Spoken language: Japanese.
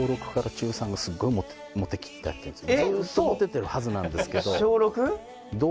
ずーっとモテてるはずなんですけど。